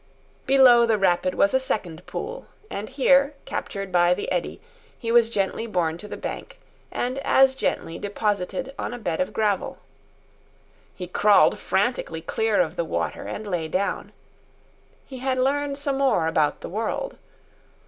Below the rapid was a second pool, and here, captured by the eddy, he was gently borne to the bank, and as gently deposited on a bed of gravel. He crawled frantically clear of the water and lay down. He had learned some more about the world.